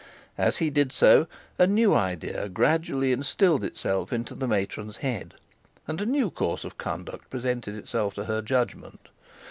As he did so, a new idea gradually instilled itself into the matron's head, and a new course of action presented itself to her judgement.